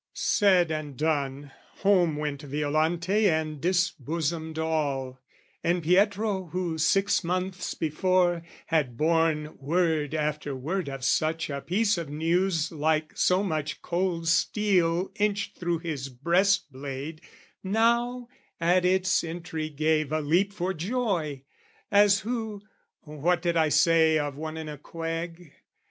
Said and done: Home went Violante and disbosomed all: And Pietro who, six months before, had borne Word after word of such a piece of news Like so much cold steel inched through his breast blade, Now at its entry gave a leap for joy, As who what did I say of one in a quag?